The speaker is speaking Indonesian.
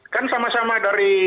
kan sama sama dari